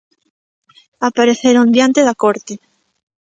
Apareceron diante da corte.